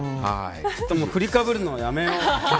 振りかぶるのはやめよう。